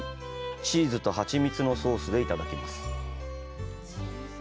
チーズと蜂蜜のソースでいただきます。